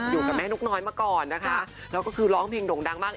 อยู่กับแม่นกน้อยมาก่อนนะคะแล้วก็คือร้องเพลงด่งดังมาก